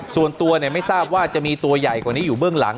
ส่วนตัวไม่ทราบว่าจะมีตัวใหญ่กว่านี้อยู่เบื้องหลัง